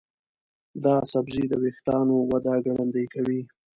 دا سبزی د ویښتانو وده ګړندۍ کوي.